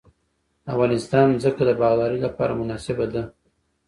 د افغانستان ځمکه د باغدارۍ لپاره مناسبه ده